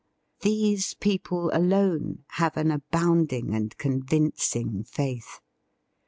These people alone have an abounding and convincing faith.